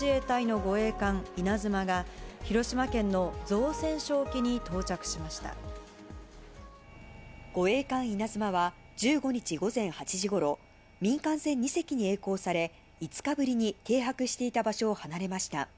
護衛艦いなづまは、１５日午前８時ごろ、民間船２隻にえい航され、５日ぶりに、停泊していた場所を離れました。